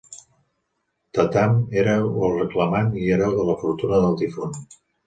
Tatham era el reclamant i hereu de la fortuna del difunt.